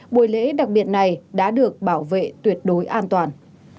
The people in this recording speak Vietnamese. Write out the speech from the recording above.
buổi lễ đặc biệt này đã được bảo vệ tuyệt đối an toàn